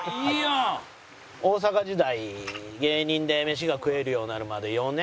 大阪時代芸人で飯が食えるようになるまで４年？